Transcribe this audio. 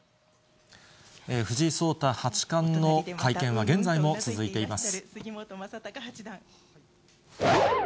藤井聡太八冠の会見は、現在も続いています。